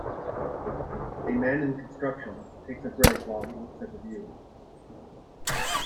A man in construction takes a break while he looks at the view.